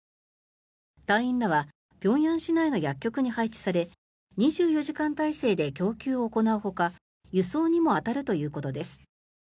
隊員らは平壌市内の薬局に配置され２４時間体制で供給を行うほか輸送にも当たるということです。